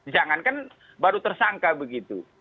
jangan kan baru tersangka begitu